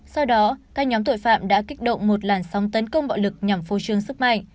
sau đó các nhóm tội phạm đã kích động một làn sóng tấn công bạo lực nhằm phô trương sức mạnh